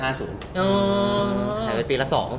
อ๋อหายไปปีละ๒